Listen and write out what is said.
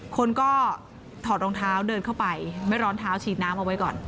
คนก็ถอดรองเท้าเดินเข้าไปไม่ร้อนเท้าฉีดน้ำเอาไว้ก่อน